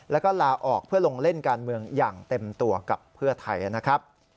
แล้วก็ลาออกเพื่อลงเล่นการเมืองอย่างเต็มตัวกับเพื่อไทยนะครับ